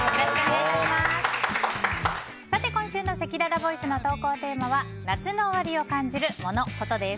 今週のせきららボイスの投稿テーマは夏の終わりを感じるモノ・コトです。